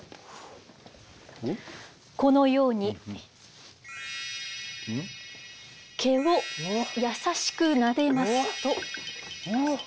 このように毛を優しくなでますと。